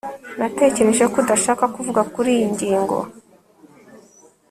natekereje ko udashaka kuvuga kuriyi ngingo